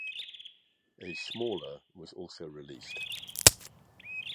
A smaller was also released.